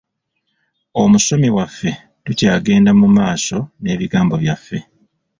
Omusomi waffe, tukyagenda mu maaso n'ebigambo byaffe.